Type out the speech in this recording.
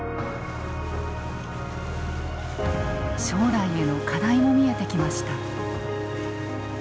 将来への課題も見えてきました。